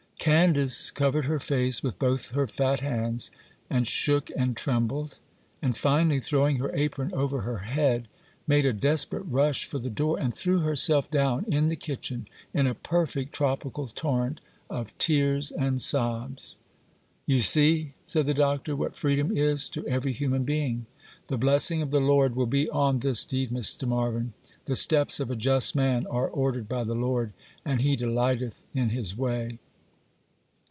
Candace covered her face with both her fat hands, and shook and trembled, and, finally, throwing her apron over her head, made a desperate rush for the door, and threw herself down in the kitchen in a perfect tropical torrent of tears and sobs. 'You see,' said the Doctor, 'what freedom is to every human creature. The blessing of the Lord will be on this deed, Mr. Marvyn. "The steps of a just man are ordered by the Lord, and he delighteth in his way."